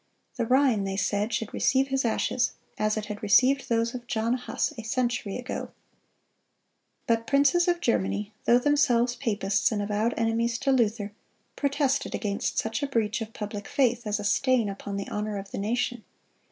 "The Rhine," they said, "should receive his ashes, as it had received those of John Huss a century ago."(224) But princes of Germany, though themselves papists and avowed enemies to Luther, protested against such a breach of public faith, as a stain upon the honor of the nation.